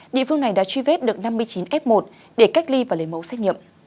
địa phương này đã truy vết được năm mươi chín f một để cách ly và lấy mẫu xét nghiệm